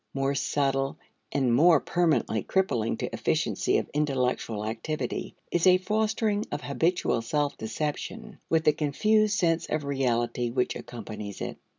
More subtle and more permanently crippling to efficiency of intellectual activity is a fostering of habitual self deception, with the confused sense of reality which accompanies it.